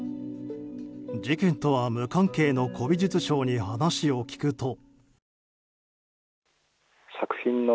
事件とは無関係の古美術商に話を聞くと。